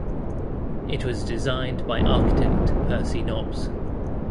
It was designed by architect Percy Nobbs.